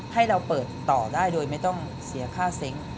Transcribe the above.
ให้เราเปิดต่อได้โดยไม่ต้องเสียค่าเซ้ง